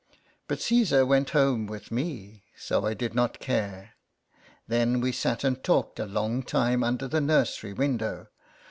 But Caesar went home with me, so I did not care ; then we sat and talked a long time under the nursery window.